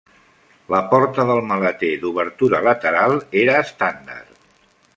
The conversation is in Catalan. La porta del maleter d'obertura lateral era estàndard.